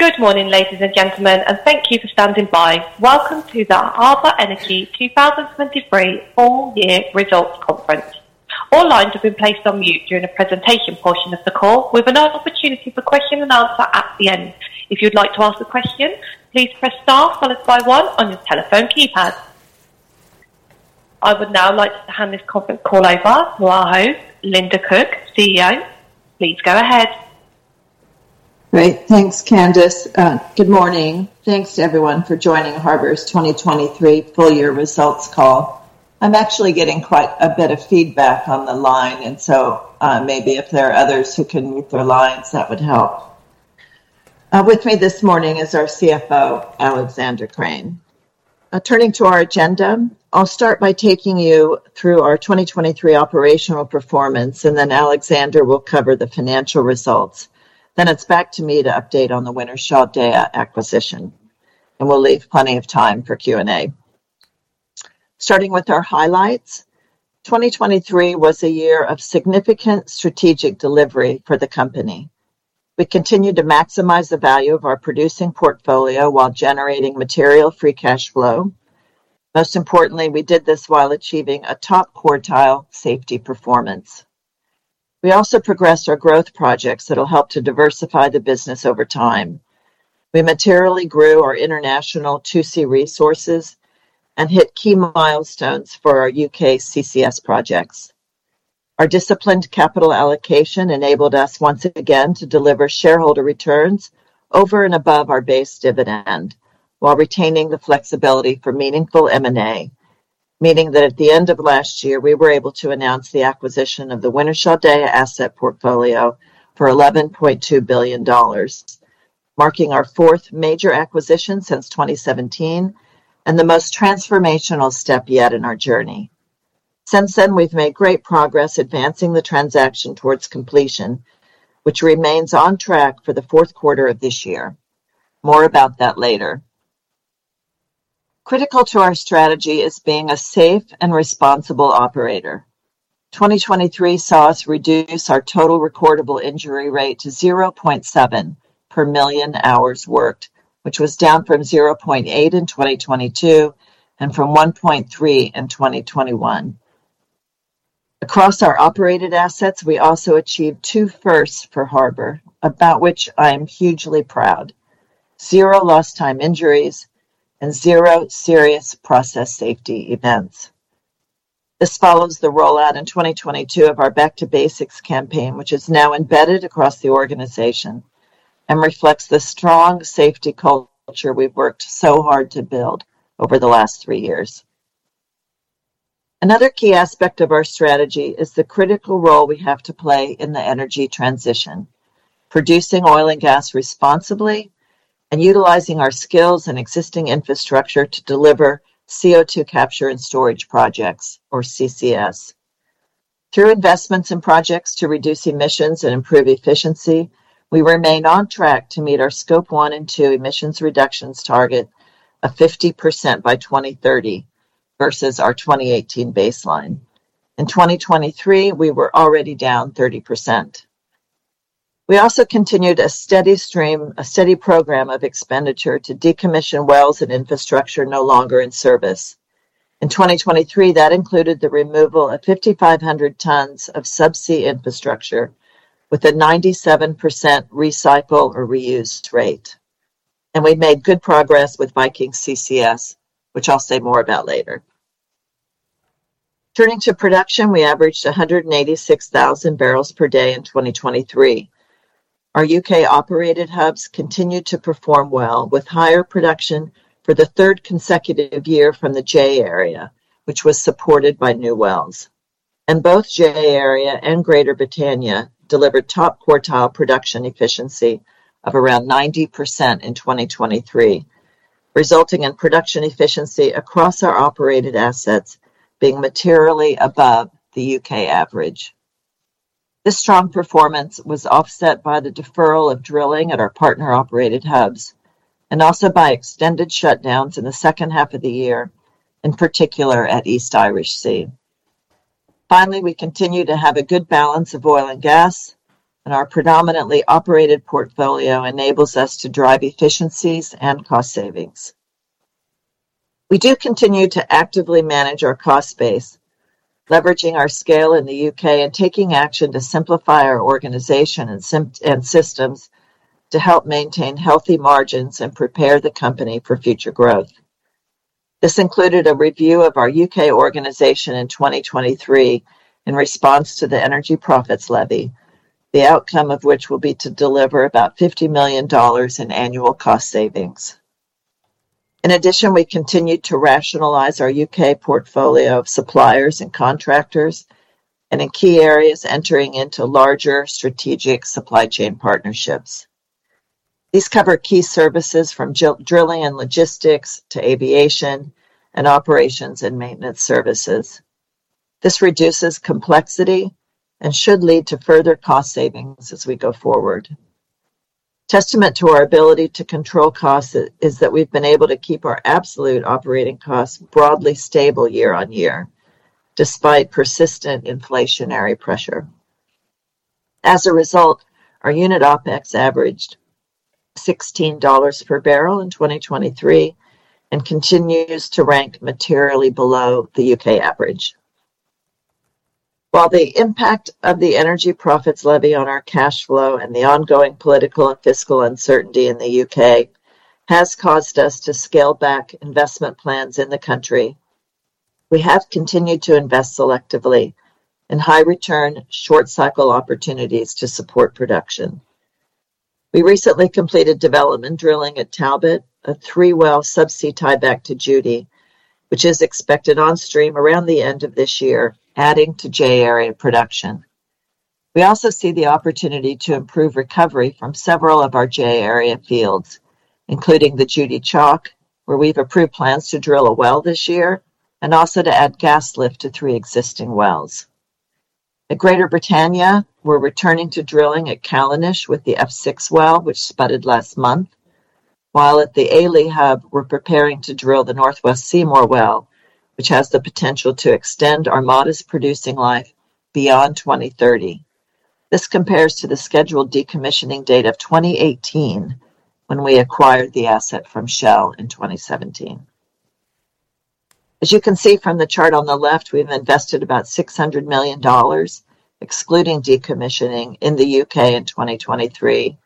Good morning, ladies and gentlemen, and thank you for standing by. Welcome to the Harbour Energy 2023 Full Year Results Conference. All lines have been placed on mute during the presentation portion of the call, with another opportunity for question and answer at the end. If you'd like to ask a question, please press * followed by 1 on your telephone keypad. I would now like to hand this conference call over to our host, Linda Cook, CEO. Please go ahead. Great. Thanks, Candace. Good morning. Thanks to everyone for joining Harbour's 2023 Full Year Results Call. I'm actually getting quite a bit of feedback on the line, and so maybe if there are others who can mute their lines, that would help. With me this morning is our CFO, Alexander Krane. Turning to our agenda, I'll start by taking you through our 2023 operational performance, and then Alexander will cover the financial results. Then it's back to me to update on the Wintershall Dea acquisition, and we'll leave plenty of time for Q&A. Starting with our highlights, 2023 was a year of significant strategic delivery for the company. We continued to maximize the value of our producing portfolio while generating material free cash flow. Most importantly, we did this while achieving a top quartile safety performance. We also progressed our growth projects that will help to diversify the business over time. We materially grew our international 2C resources and hit key milestones for our UK CCS projects. Our disciplined capital allocation enabled us once again to deliver shareholder returns over and above our base dividend while retaining the flexibility for meaningful M&A, meaning that at the end of last year, we were able to announce the acquisition of the Wintershall Dea asset portfolio for $11.2 billion, marking our fourth major acquisition since 2017 and the most transformational step yet in our journey. Since then, we've made great progress advancing the transaction towards completion, which remains on track for the fourth quarter of this year. More about that later. Critical to our strategy is being a safe and responsible operator. 2023 saw us reduce our total recordable injury rate to 0.7 per million hours worked, which was down from 0.8 in 2022 and from 1.3 in 2021. Across our operated assets, we also achieved two firsts for Harbour, about which I am hugely proud: zero lost-time injuries and zero serious process safety events. This follows the rollout in 2022 of our Back to Basics campaign, which is now embedded across the organization and reflects the strong safety culture we've worked so hard to build over the last three years. Another key aspect of our strategy is the critical role we have to play in the energy transition, producing oil and gas responsibly and utilizing our skills and existing infrastructure to deliver CO2 capture and storage projects, or CCS. Through investments in projects to reduce emissions and improve efficiency, we remain on track to meet our Scope 1 and 2 emissions reductions target, a 50% by 2030, versus our 2018 baseline. In 2023, we were already down 30%. We also continued a steady program of expenditure to decommission wells and infrastructure no longer in service. In 2023, that included the removal of 5,500 tons of subsea infrastructure with a 97% recycle or reuse rate. We made good progress with Viking CCS, which I'll say more about later. Turning to production, we averaged 186,000 barrels per day in 2023. Our U.K. operated hubs continued to perform well, with higher production for the third consecutive year from the J-Area, which was supported by new wells. Both J-Area and Greater Britannia delivered top quartile production efficiency of around 90% in 2023, resulting in production efficiency across our operated assets being materially above the UK average. This strong performance was offset by the deferral of drilling at our partner operated hubs and also by extended shutdowns in the second half of the year, in particular at East Irish Sea. Finally, we continue to have a good balance of oil and gas, and our predominantly operated portfolio enables us to drive efficiencies and cost savings. We do continue to actively manage our cost base, leveraging our scale in the UK and taking action to simplify our organization and systems to help maintain healthy margins and prepare the company for future growth. This included a review of our UK organization in 2023 in response to the Energy Profits Levy, the outcome of which will be to deliver about $50 million in annual cost savings. In addition, we continued to rationalize our UK portfolio of suppliers and contractors, and in key areas, entering into larger strategic supply chain partnerships. These cover key services from drilling and logistics to aviation and operations and maintenance services. This reduces complexity and should lead to further cost savings as we go forward. Testament to our ability to control costs is that we've been able to keep our absolute operating costs broadly stable year-over-year, despite persistent inflationary pressure. As a result, our unit OPEX averaged $16 per barrel in 2023 and continues to rank materially below the UK average. While the impact of the Energy Profits Levy on our cash flow and the ongoing political and fiscal uncertainty in the UK has caused us to scale back investment plans in the country, we have continued to invest selectively in high-return, short-cycle opportunities to support production. We recently completed development drilling at Talbot, a three-well subsea tieback to Judy, which is expected onstream around the end of this year, adding to J-Area production. We also see the opportunity to improve recovery from several of our J-Area fields, including the Judy Chalk, where we've approved plans to drill a well this year and also to add gas lift to three existing wells. At Greater Britannia, we're returning to drilling at Callanish with the F6 well, which spudded last month, while at the AELE Hub, we're preparing to drill the North West Seymour well, which has the potential to extend our modest producing life beyond 2030. This compares to the scheduled decommissioning date of 2018, when we acquired the asset from Shell in 2017. As you can see from the chart on the left, we've invested about $600 million, excluding decommissioning, in the UK in 2023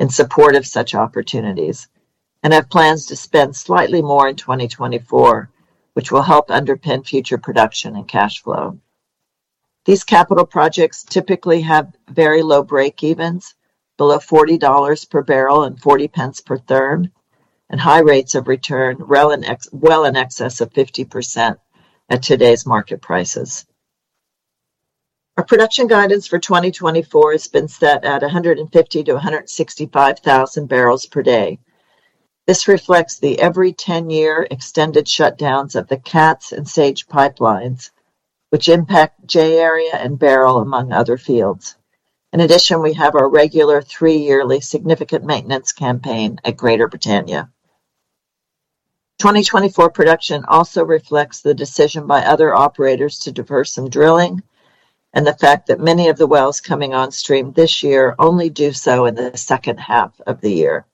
in support of such opportunities, and have plans to spend slightly more in 2024, which will help underpin future production and cash flow. These capital projects typically have very low break-evens, below $40 per barrel and 0.40 per therm, and high rates of return, well in excess of 50% at today's market prices. Our production guidance for 2024 has been set at 150,000-165,000 barrels per day. This reflects the every 10-year extended shutdowns of the CATS and SAGE pipelines, which impact J-Area and Beryl, among other fields. In addition, we have our regular three-yearly significant maintenance campaign at Greater Britannia. 2024 production also reflects the decision by other operators to divert some drilling and the fact that many of the wells coming onstream this year only do so in the second half of the year.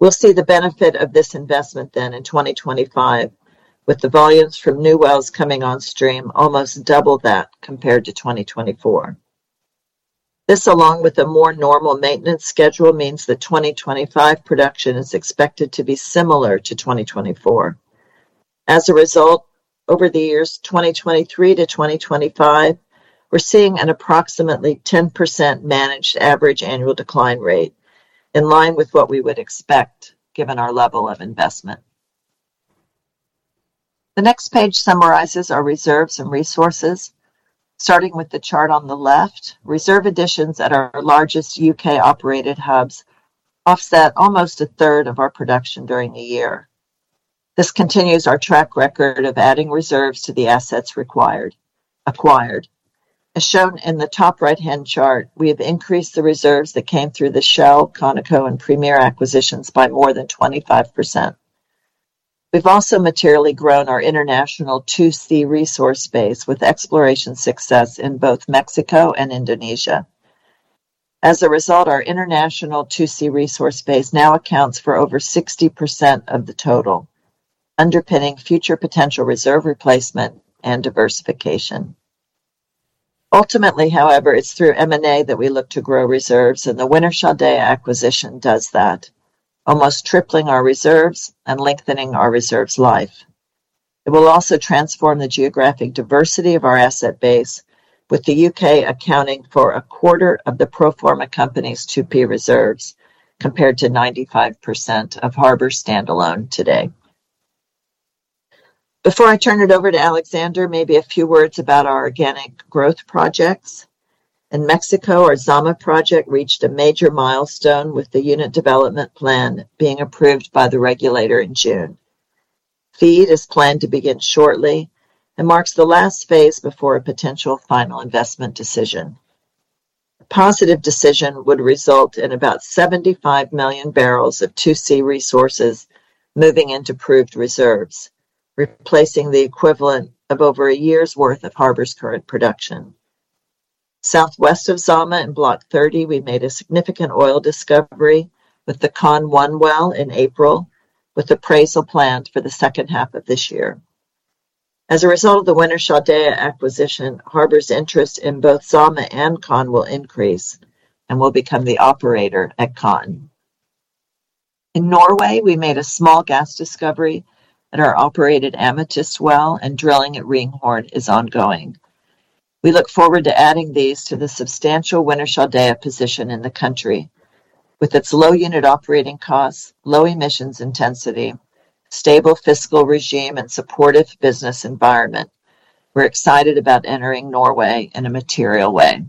We'll see the benefit of this investment then in 2025, with the volumes from new wells coming onstream almost double that compared to 2024. This, along with a more normal maintenance schedule, means that 2025 production is expected to be similar to 2024. As a result, over the years 2023 to 2025, we're seeing an approximately 10% managed average annual decline rate, in line with what we would expect, given our level of investment. The next page summarizes our reserves and resources. Starting with the chart on the left, reserve additions at our largest U.K. operated hubs offset almost a third of our production during the year. This continues our track record of adding reserves to the assets acquired. As shown in the top right-hand chart, we have increased the reserves that came through the Shell, Conoco, and Premier acquisitions by more than 25%. We've also materially grown our international 2C resource base with exploration success in both Mexico and Indonesia. As a result, our international 2C resource base now accounts for over 60% of the total, underpinning future potential reserve replacement and diversification. Ultimately, however, it's through M&A that we look to grow reserves, and the Wintershall Dea acquisition does that, almost tripling our reserves and lengthening our reserves life. It will also transform the geographic diversity of our asset base, with the UK accounting for a quarter of the pro forma company's 2P reserves, compared to 95% of Harbour standalone today. Before I turn it over to Alexander, maybe a few words about our organic growth projects. In Mexico, our Zama project reached a major milestone, with the Unit Development Plan being approved by the regulator in June. FEED is planned to begin shortly and marks the last phase before a potential final investment decision. A positive decision would result in about 75 million barrels of 2C resources moving into proved reserves, replacing the equivalent of over a year's worth of Harbour's current production. Southwest of Zama and Block 30, we made a significant oil discovery with the Kan-1 well in April, with appraisal planned for the second half of this year. As a result of the Wintershall Dea acquisition, Harbour's interest in both Zama and Kan will increase and will become the operator at Kan. In Norway, we made a small gas discovery at our operated Amethyst well, and drilling at Ringhorne is ongoing. We look forward to adding these to the substantial Wintershall Dea position in the country. With its low unit operating costs, low emissions intensity, stable fiscal regime, and supportive business environment, we're excited about entering Norway in a material way.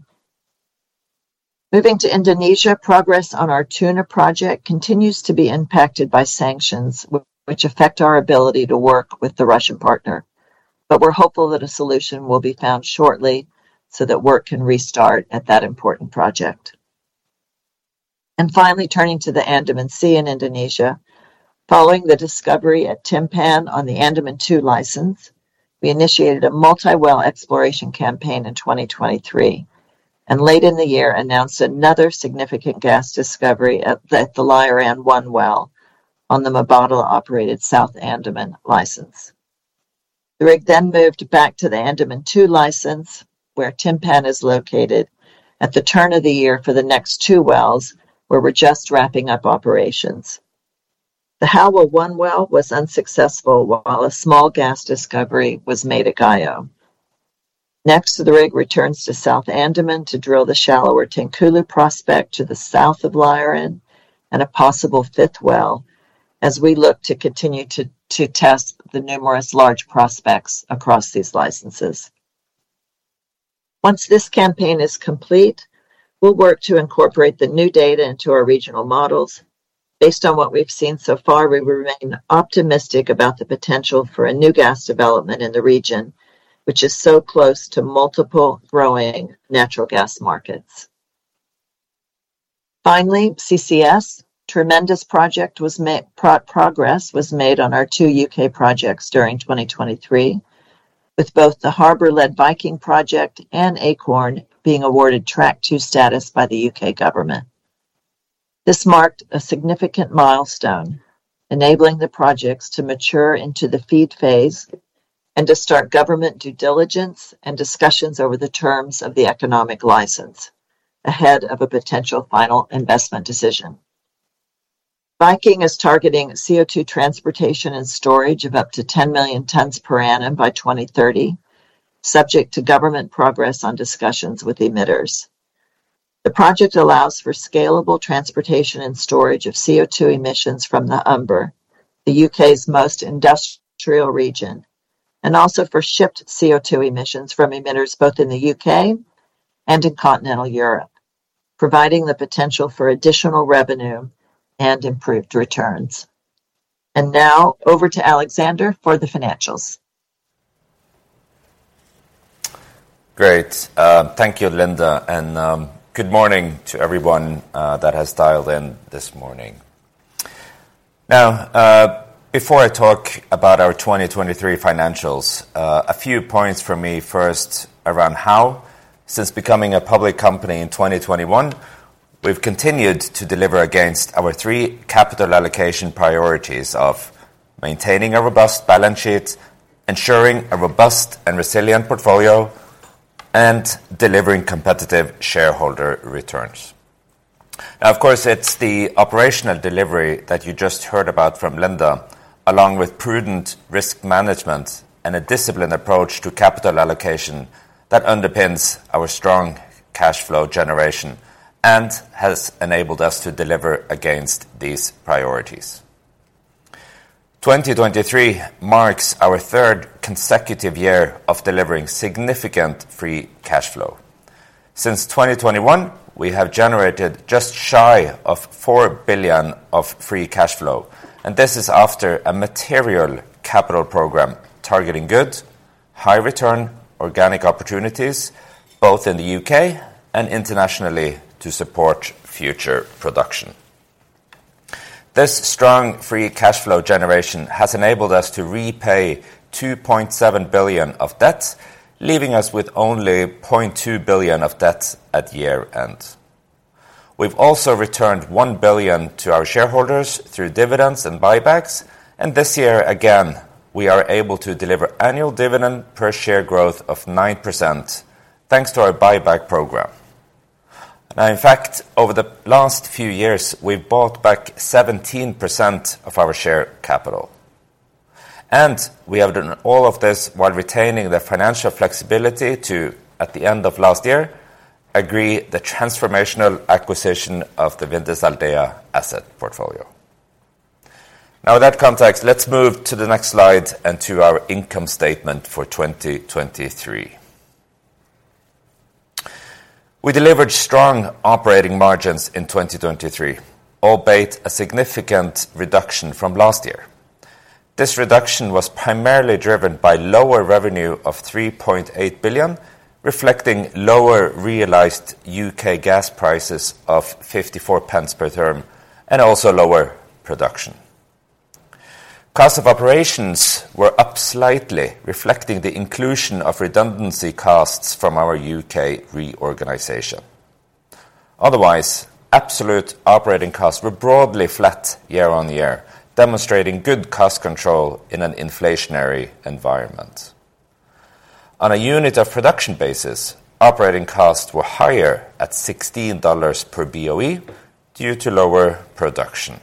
Moving to Indonesia, progress on our Tuna project continues to be impacted by sanctions, which affect our ability to work with the Russian partner. But we're hopeful that a solution will be found shortly so that work can restart at that important project. And finally, turning to the Andaman Sea in Indonesia, following the discovery at Timpan on the Andaman II license, we initiated a multi-well exploration campaign in 2023 and late in the year announced another significant gas discovery at the Layaran-1 well on the Mubadala operated South Andaman license. The rig then moved back to the Andaman II license, where Timpan is located, at the turn of the year for the next two wells, where we're just wrapping up operations. The Halwa-1 well was unsuccessful, while a small gas discovery was made at Gayo. Next, the rig returns to South Andaman to drill the shallower Tangkulo prospect to the south of Layaran and a possible fifth well, as we look to continue to test the numerous large prospects across these licenses. Once this campaign is complete, we'll work to incorporate the new data into our regional models. Based on what we've seen so far, we remain optimistic about the potential for a new gas development in the region, which is so close to multiple growing natural gas markets. Finally, on CCS, tremendous progress was made on our two UK projects during 2023, with both the Harbour-led Viking project and Acorn being awarded Track 2 status by the UK government. This marked a significant milestone, enabling the projects to mature into the FEED phase and to start government due diligence and discussions over the terms of the economic license ahead of a potential final investment decision. Viking is targeting CO2 transportation and storage of up to 10 million tons per annum by 2030, subject to government progress on discussions with emitters. The project allows for scalable transportation and storage of CO2 emissions from the Humber, the UK's most industrial region, and also for shipped CO2 emissions from emitters both in the UK and in continental Europe, providing the potential for additional revenue and improved returns. And now over to Alexander for the financials. Great. Thank you, Linda. And good morning to everyone that has dialed in this morning. Now, before I talk about our 2023 financials, a few points for me first around how. Since becoming a public company in 2021, we've continued to deliver against our three capital allocation priorities of maintaining a robust balance sheet, ensuring a robust and resilient portfolio, and delivering competitive shareholder returns. Now, of course, it's the operational delivery that you just heard about from Linda, along with prudent risk management and a disciplined approach to capital allocation that underpins our strong cash flow generation and has enabled us to deliver against these priorities. 2023 marks our third consecutive year of delivering significant free cash flow. Since 2021, we have generated just shy of $4 billion of free cash flow, and this is after a material capital program targeting good, high-return organic opportunities, both in the UK and internationally to support future production. This strong free cash flow generation has enabled us to repay $2.7 billion of debt, leaving us with only $0.2 billion of debt at year-end. We've also returned $1 billion to our shareholders through dividends and buybacks, and this year again, we are able to deliver annual dividend per share growth of 9% thanks to our buyback program. Now, in fact, over the last few years, we've bought back 17% of our share capital. We have done all of this while retaining the financial flexibility to, at the end of last year, agree the transformational acquisition of the Wintershall Dea asset portfolio. Now, with that context, let's move to the next slide and to our income statement for 2023. We delivered strong operating margins in 2023, albeit a significant reduction from last year. This reduction was primarily driven by lower revenue of $3.8 billion, reflecting lower realised UK gas prices of 0.54 GBP per therm and also lower production. Costs of operations were up slightly, reflecting the inclusion of redundancy costs from our UK reorganization. Otherwise, absolute operating costs were broadly flat year-over-year, demonstrating good cost control in an inflationary environment. On a unit of production basis, operating costs were higher at $16 per BOE due to lower production.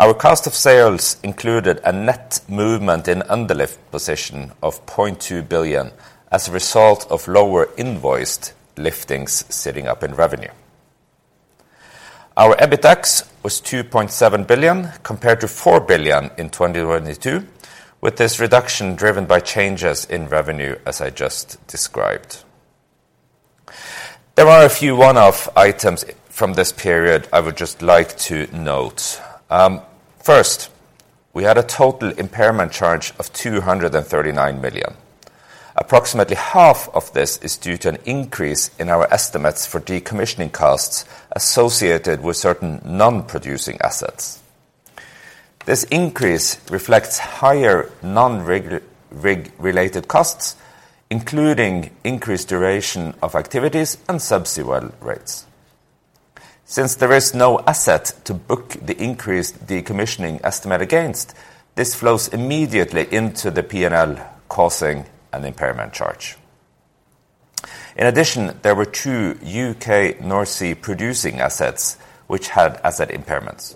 Our cost of sales included a net movement in underlift position of $0.2 billion as a result of lower invoiced liftings sitting up in revenue. Our EBITDA was $2.7 billion compared to $4 billion in 2022, with this reduction driven by changes in revenue, as I just described. There are a few one-off items from this period I would just like to note. First, we had a total impairment charge of $239 million. Approximately half of this is due to an increase in our estimates for decommissioning costs associated with certain non-producing assets. This increase reflects higher non-rig-related costs, including increased duration of activities and subsea well rates. Since there is no asset to book the increased decommissioning estimate against, this flows immediately into the P&L, causing an impairment charge. In addition, there were two UK North Sea producing assets which had asset impairments.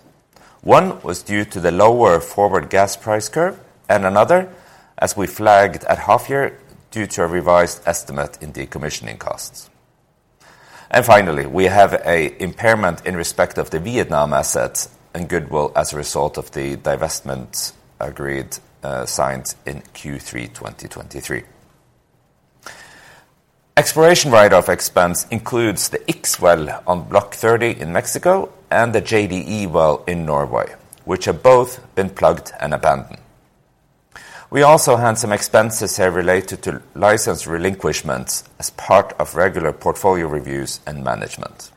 One was due to the lower forward gas price curve and another, as we flagged at half-year, due to a revised estimate in decommissioning costs. And finally, we have an impairment in respect of the Vietnam assets and goodwill as a result of the divestment agreement signed in Q3 2023. Exploration write-off expense includes the Ix well on Block 30 in Mexico and the Joe well in Norway, which have both been plugged and abandoned. We also had some expenses here related to license relinquishments as part of regular portfolio reviews and management.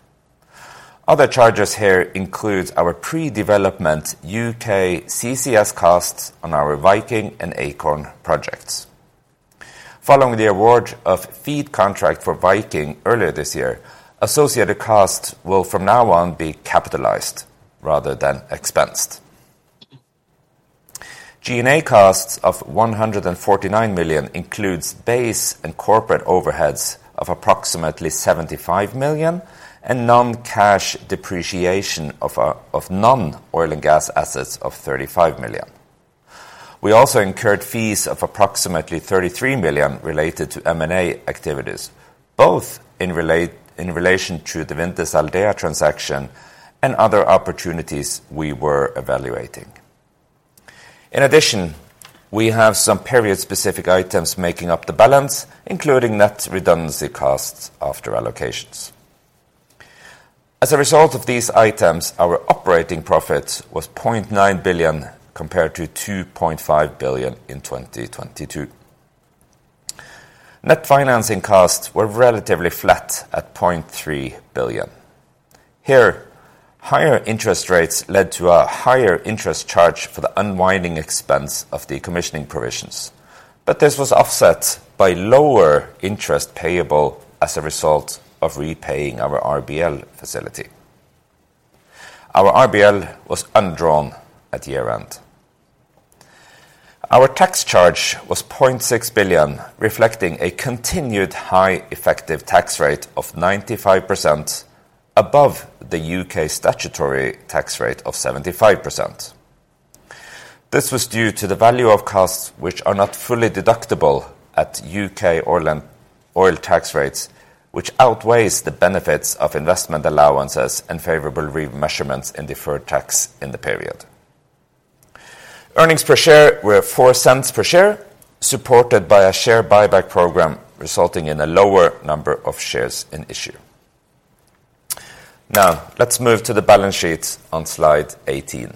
Other charges here include our pre-development UK CCS costs on our Viking and Acorn projects. Following the award of FEED contract for Viking earlier this year, associated costs will from now on be capitalized rather than expensed. G&A costs of $149 million include base and corporate overheads of approximately $75 million and non-cash depreciation of non-oil and gas assets of $35 million. We also incurred fees of approximately $33 million related to M&A activities, both in relation to the Wintershall Dea transaction and other opportunities we were evaluating. In addition, we have some period-specific items making up the balance, including net redundancy costs after allocations. As a result of these items, our operating profit was $0.9 billion compared to $2.5 billion in 2022. Net financing costs were relatively flat at $0.3 billion. Here, higher interest rates led to a higher interest charge for the unwinding expense of decommissioning provisions, but this was offset by lower interest payable as a result of repaying our RBL facility. Our RBL was undrawn at year-end. Our tax charge was $0.6 billion, reflecting a continued high effective tax rate of 95% above the U.K. statutory tax rate of 75%. This was due to the value of costs which are not fully deductible at U.K. oil tax rates, which outweighs the benefits of investment allowances and favorable remeasurements in deferred tax in the period. Earnings per share were $0.04 per share, supported by a share buyback program resulting in a lower number of shares in issue. Now, let's move to the balance sheets on slide 18.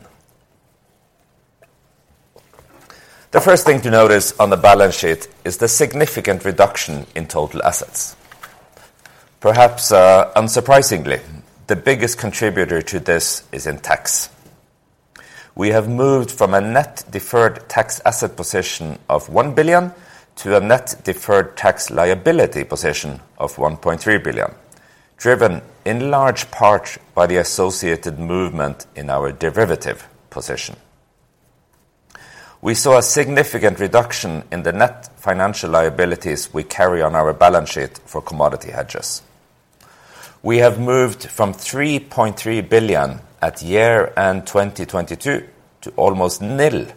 The first thing to notice on the balance sheet is the significant reduction in total assets. Perhaps unsurprisingly, the biggest contributor to this is in tax. We have moved from a net deferred tax asset position of $1 billion to a net deferred tax liability position of $1.3 billion, driven in large part by the associated movement in our derivative position. We saw a significant reduction in the net financial liabilities we carry on our balance sheet for commodity hedges. We have moved from $3.3 billion at year-end 2022 to almost nil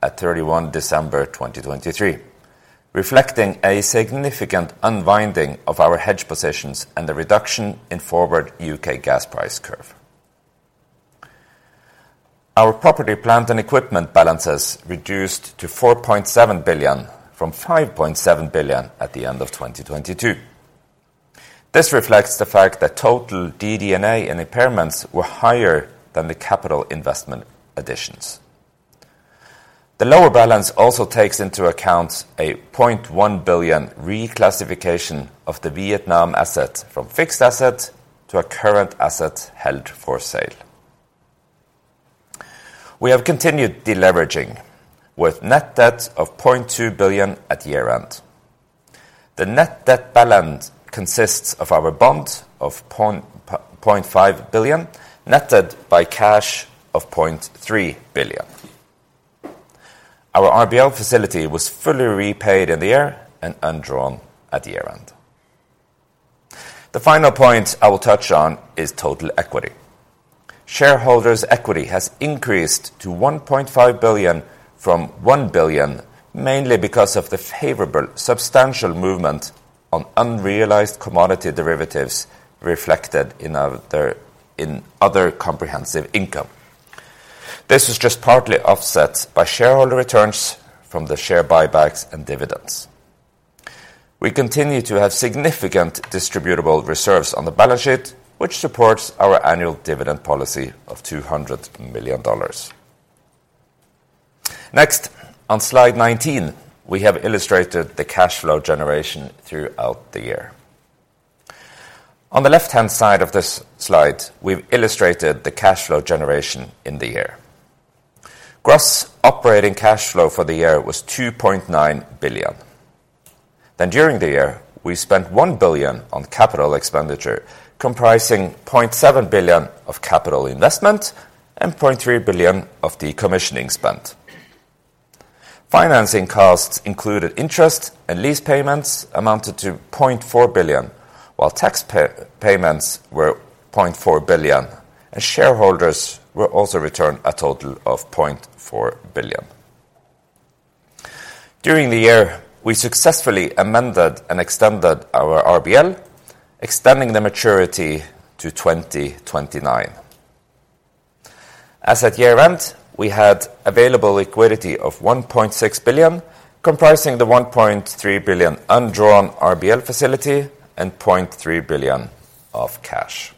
at 31 December 2023, reflecting a significant unwinding of our hedge positions and a reduction in forward U.K. gas price curve. Our property, plant, and equipment balances reduced to $4.7 billion from $5.7 billion at the end of 2022. This reflects the fact that total DD&A and impairments were higher than the capital investment additions. The lower balance also takes into account a $0.1 billion reclassification of the Vietnam asset from fixed assets to a current asset held for sale. We have continued deleveraging, with net debt of $0.2 billion at year-end. The net debt balance consists of our bond of $0.5 billion, netted by cash of $0.3 billion. Our RBL facility was fully repaid in the year and undrawn at year-end. The final point I will touch on is total equity. Shareholders' equity has increased to $1.5 billion from $1 billion, mainly because of the favorable substantial movement on unrealised commodity derivatives reflected in other comprehensive income. This was just partly offset by shareholder returns from the share buybacks and dividends. We continue to have significant distributable reserves on the balance sheet, which supports our annual dividend policy of $200 million. Next, on slide 19, we have illustrated the cash flow generation throughout the year. On the left-hand side of this slide, we've illustrated the cash flow generation in the year. Gross operating cash flow for the year was $2.9 billion. Then during the year, we spent $1 billion on capital expenditure, comprising $0.7 billion of capital investment and $0.3 billion of decommissioning spent. Financing costs included interest and lease payments amounted to $0.4 billion, while tax payments were $0.4 billion, and shareholders were also returned a total of $0.4 billion. During the year, we successfully amended and extended our RBL, extending the maturity to 2029. As at year-end, we had available liquidity of $1.6 billion, comprising the $1.3 billion undrawn RBL facility and $0.3 billion of cash.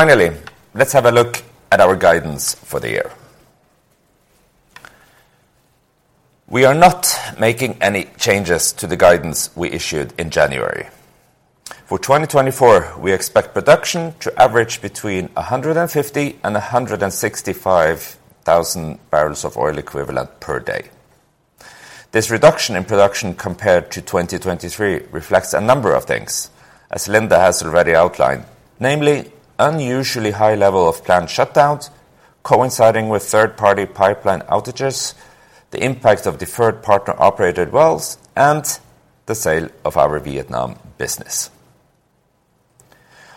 Finally, let's have a look at our guidance for the year. We are not making any changes to the guidance we issued in January. For 2024, we expect production to average between 150,000 and 165,000 barrels of oil equivalent per day. This reduction in production compared to 2023 reflects a number of things, as Linda has already outlined, namely unusually high level of plant shutdowns coinciding with third-party pipeline outages, the impact of deferred partner-operated wells, and the sale of our Vietnam business.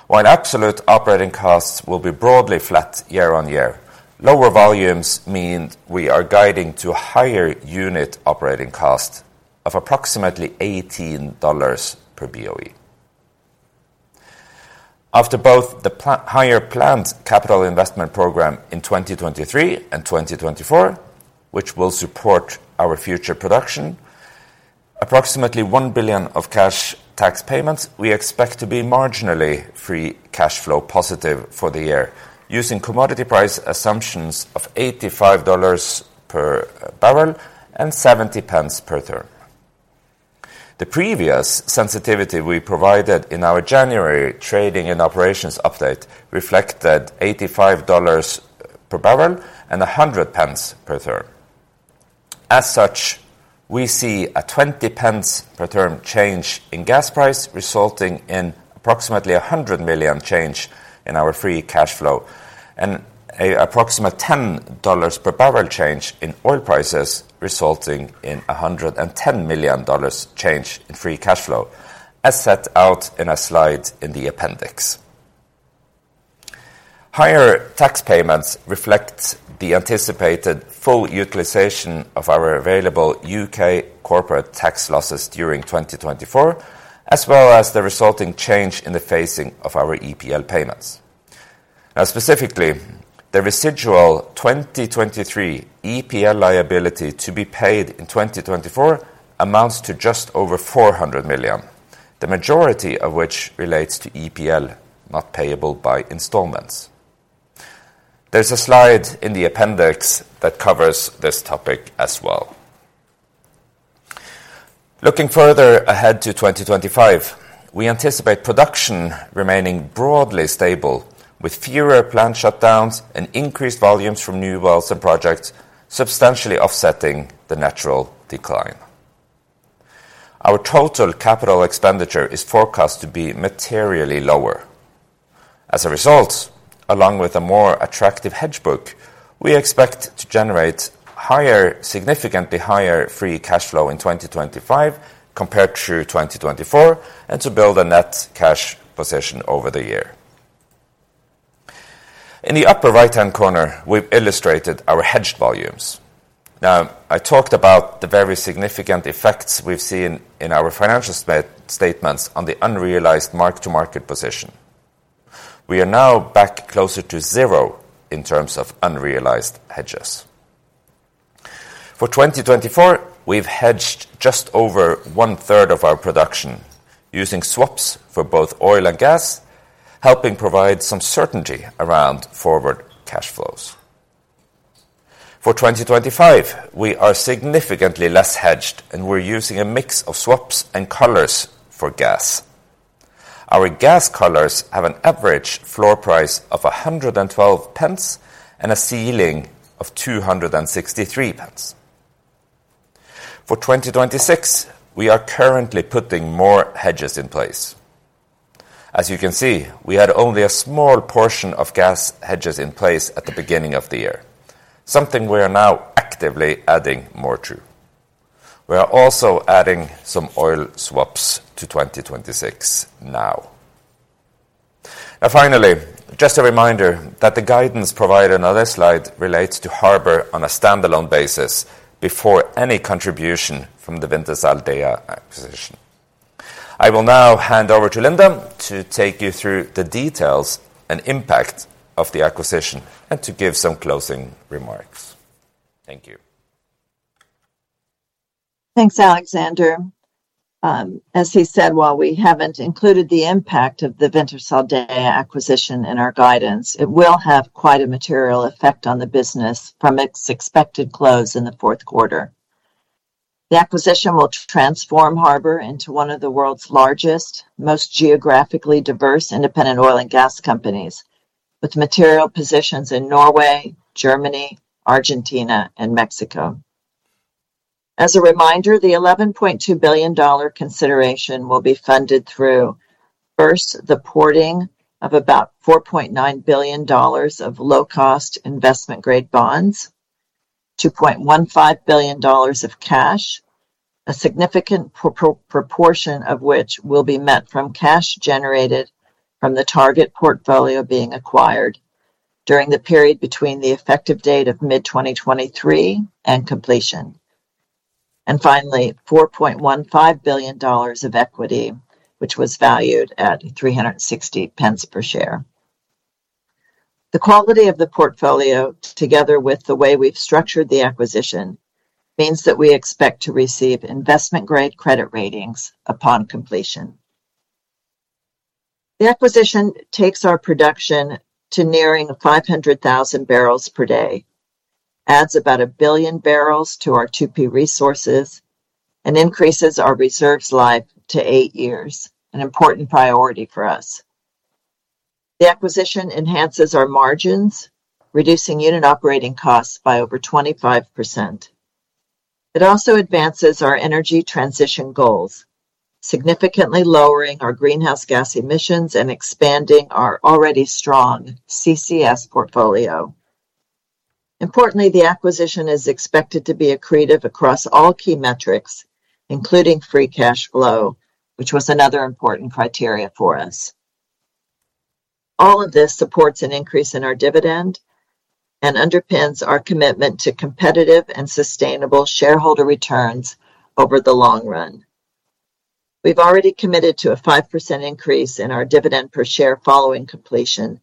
While absolute operating costs will be broadly flat year on year, lower volumes mean we are guiding to a higher unit operating cost of approximately $18 per BOE. After both the higher plant capital investment program in 2023 and 2024, which will support our future production, and approximately $1 billion of cash tax payments, we expect to be marginally free cash flow positive for the year, using commodity price assumptions of $85 per barrel and $0.70 per therm. The previous sensitivity we provided in our January trading and operations update reflected $85 per barrel and $0.100 per therm. As such, we see a $0.20 per therm change in gas price, resulting in approximately $100 million change in our free cash flow, and an approximate $10 per barrel change in oil prices, resulting in $110 million change in free cash flow, as set out in a slide in the appendix. Higher tax payments reflect the anticipated full utilization of our available UK corporate tax losses during 2024, as well as the resulting change in the phasing of our EPL payments. Now, specifically, the residual 2023 EPL liability to be paid in 2024 amounts to just over $400 million, the majority of which relates to EPL not payable by installments. There's a slide in the appendix that covers this topic as well. Looking further ahead to 2025, we anticipate production remaining broadly stable, with fewer plant shutdowns and increased volumes from new wells and projects substantially offsetting the natural decline. Our total capital expenditure is forecast to be materially lower. As a result, along with a more attractive hedge book, we expect to generate significantly higher free cash flow in 2025 compared to 2024 and to build a net cash position over the year. In the upper right-hand corner, we've illustrated our hedged volumes. Now, I talked about the very significant effects we've seen in our financial statements on the unrealized mark-to-market position. We are now back closer to zero in terms of unrealized hedges. For 2024, we've hedged just over one-third of our production using swaps for both oil and gas, helping provide some certainty around forward cash flows. For 2025, we are significantly less hedged and we're using a mix of swaps and collars for gas. Our gas collars have an average floor price of $0.112 and a ceiling of $0.263. For 2026, we are currently putting more hedges in place. As you can see, we had only a small portion of gas hedges in place at the beginning of the year, something we are now actively adding more to. We are also adding some oil swaps to 2026 now. Now, finally, just a reminder that the guidance provided on this slide relates to Harbour on a standalone basis before any contribution from the Wintershall Dea acquisition. I will now hand over to Linda to take you through the details and impact of the acquisition and to give some closing remarks. Thank you. Thanks, Alexander. As he said, while we haven't included the impact of the Wintershall Dea acquisition in our guidance, it will have quite a material effect on the business from its expected close in the fourth quarter. The acquisition will transform Harbour into one of the world's largest, most geographically diverse independent oil and gas companies, with material positions in Norway, Germany, Argentina, and Mexico. As a reminder, the $11.2 billion consideration will be funded through: first, the porting of about $4.9 billion of low-cost investment-grade bonds; $2.15 billion of cash, a significant proportion of which will be met from cash generated from the target portfolio being acquired during the period between the effective date of mid-2023 and completion; and finally, $4.15 billion of equity, which was valued at $0.360 per share. The quality of the portfolio, together with the way we've structured the acquisition, means that we expect to receive investment-grade credit ratings upon completion. The acquisition takes our production to nearing 500,000 barrels per day, adds about 1 billion barrels to our 2P resources, and increases our reserves life to eight years, an important priority for us. The acquisition enhances our margins, reducing unit operating costs by over 25%. It also advances our energy transition goals, significantly lowering our greenhouse gas emissions and expanding our already strong CCS portfolio. Importantly, the acquisition is expected to be accretive across all key metrics, including free cash flow, which was another important criteria for us. All of this supports an increase in our dividend and underpins our commitment to competitive and sustainable shareholder returns over the long run. We've already committed to a 5% increase in our dividend per share following completion,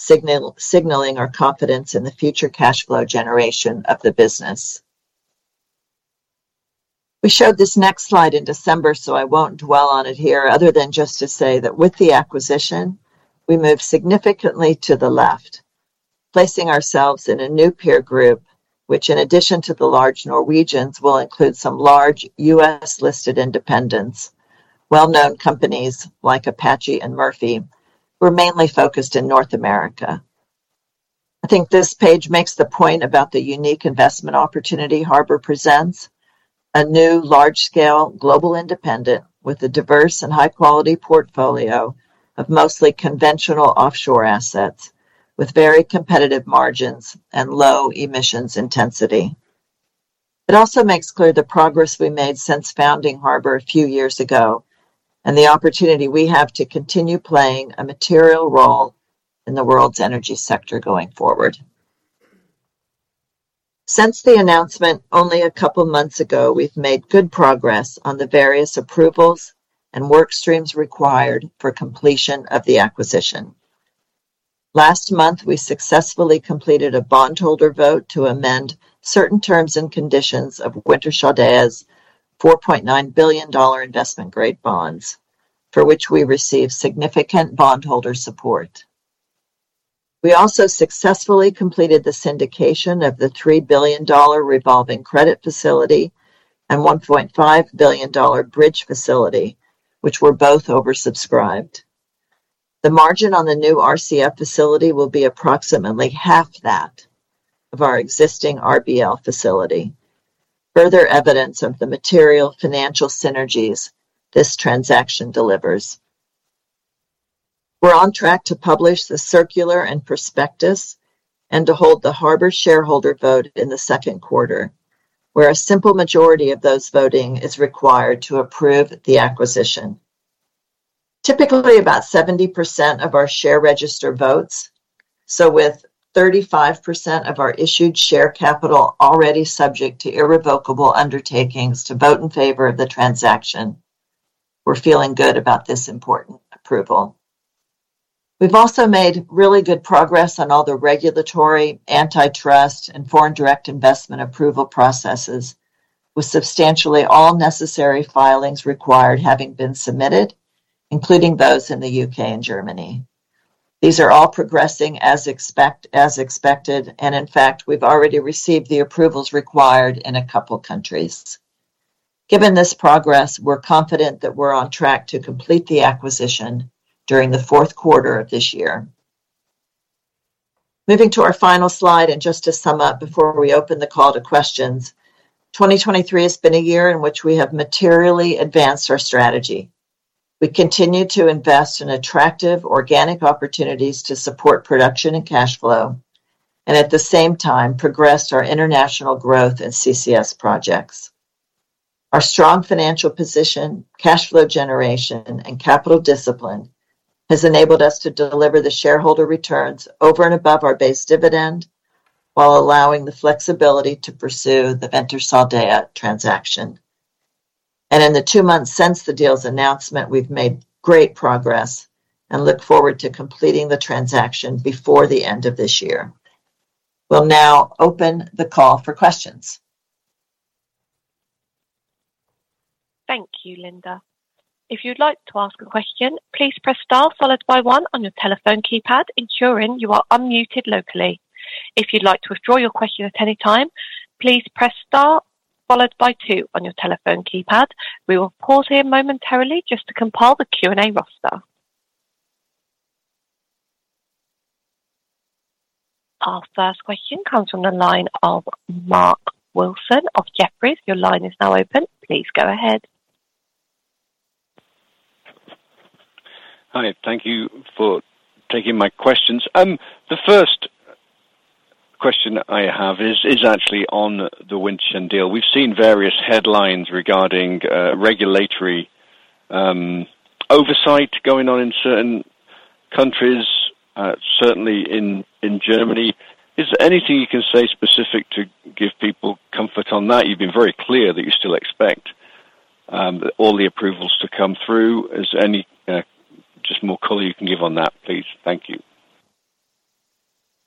signaling our confidence in the future cash flow generation of the business. We showed this next slide in December, so I won't dwell on it here other than just to say that with the acquisition, we move significantly to the left, placing ourselves in a new peer group which, in addition to the large Norwegians, will include some large U.S.-listed independents, well-known companies like Apache and Murphy, who are mainly focused in North America. I think this page makes the point about the unique investment opportunity Harbour presents: a new large-scale global independent with a diverse and high-quality portfolio of mostly conventional offshore assets, with very competitive margins and low emissions intensity. It also makes clear the progress we made since founding Harbour a few years ago and the opportunity we have to continue playing a material role in the world's energy sector going forward. Since the announcement only a couple of months ago, we've made good progress on the various approvals and workstreams required for completion of the acquisition. Last month, we successfully completed a bondholder vote to amend certain terms and conditions of Wintershall Dea's $4.9 billion investment-grade bonds, for which we received significant bondholder support. We also successfully completed the syndication of the $3 billion revolving credit facility and $1.5 billion bridge facility, which were both oversubscribed. The margin on the new RCF facility will be approximately half that of our existing RBL facility, further evidence of the material financial synergies this transaction delivers. We're on track to publish the circular and prospectus and to hold the Harbour shareholder vote in the second quarter, where a simple majority of those voting is required to approve the acquisition. Typically, about 70% of our share register votes, so with 35% of our issued share capital already subject to irrevocable undertakings to vote in favor of the transaction, we're feeling good about this important approval. We've also made really good progress on all the regulatory, antitrust, and foreign direct investment approval processes, with substantially all necessary filings required having been submitted, including those in the UK and Germany. These are all progressing as expected, and in fact, we've already received the approvals required in a couple of countries. Given this progress, we're confident that we're on track to complete the acquisition during the fourth quarter of this year. Moving to our final slide, and just to sum up before we open the call to questions, 2023 has been a year in which we have materially advanced our strategy. We continue to invest in attractive organic opportunities to support production and cash flow, and at the same time, progressed our international growth and CCS projects. Our strong financial position, cash flow generation, and capital discipline has enabled us to deliver the shareholder returns over and above our base dividend while allowing the flexibility to pursue the Wintershall Dea transaction. In the two months since the deal's announcement, we've made great progress and look forward to completing the transaction before the end of this year. We'll now open the call for questions. Thank you, Linda. If you'd like to ask a question, please press star followed by one on your telephone keypad, ensuring you are unmuted locally. If you'd like to withdraw your question at any time, please press star followed by two on your telephone keypad. We will pause here momentarily just to compile the Q&A roster. Our first question comes from the line of Mark Wilson of Jefferies. Your line is now open. Please go ahead. Hi. Thank you for taking my questions. The first question I have is actually on the Wintershall Dea. We've seen various headlines regarding regulatory oversight going on in certain countries, certainly in Germany. Is there anything you can say specific to give people comfort on that? You've been very clear that you still expect all the approvals to come through. Is there any just more color you can give on that, please? Thank you.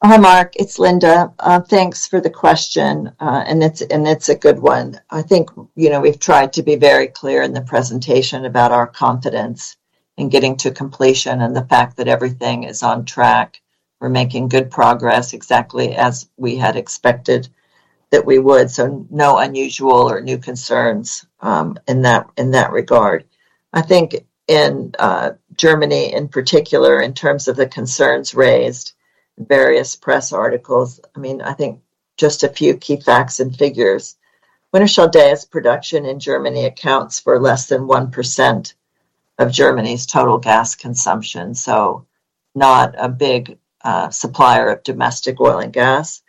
Hi, Mark. It's Linda. Thanks for the question, and it's a good one. I think we've tried to be very clear in the presentation about our confidence in getting to completion and the fact that everything is on track. We're making good progress exactly as we had expected that we would, so no unusual or new concerns in that regard. I think in Germany, in particular, in terms of the concerns raised in various press articles, I mean, I think just a few key facts and figures. Wintershall Dea's production in Germany accounts for less than 1% of Germany's total gas consumption, so not a big supplier of domestic oil and gas.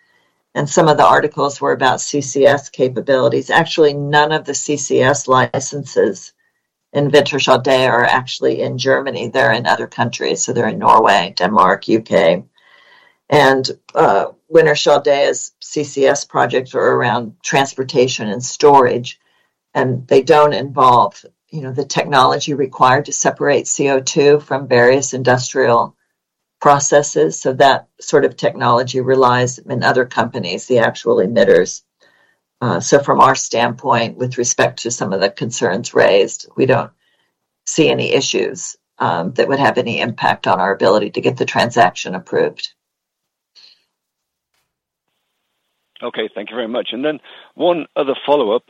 And some of the articles were about CCS capabilities. Actually, none of the CCS licenses in Wintershall Dea are actually in Germany. They're in other countries, so they're in Norway, Denmark, UK. Wintershall Dea's CCS projects are around transportation and storage, and they don't involve the technology required to separate CO2 from various industrial processes. So that sort of technology relies on other companies, the actual emitters. So from our standpoint, with respect to some of the concerns raised, we don't see any issues that would have any impact on our ability to get the transaction approved. Okay. Thank you very much. And then one other follow-up.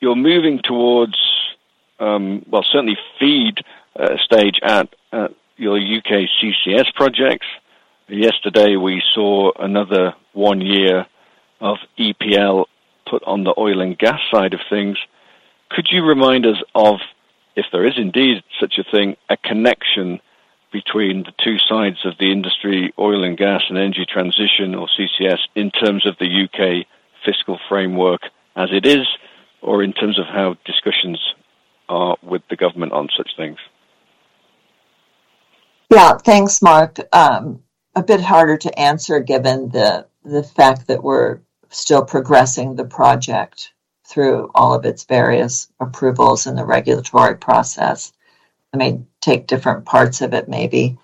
You're moving towards, well, certainly FEED stage at your U.K. CCS projects. Yesterday, we saw another 1 year of EPL put on the oil and gas side of things. Could you remind us of, if there is indeed such a thing, a connection between the two sides of the industry, oil and gas, and energy transition or CCS, in terms of the UK fiscal framework as it is, or in terms of how discussions are with the government on such things? Yeah. Thanks, Mark. A bit harder to answer given the fact that we're still progressing the project through all of its various approvals and the regulatory process. It may take different parts of it, maybe.